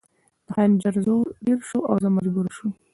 د خنجر زور ډېر شو او زه مجبوره شوم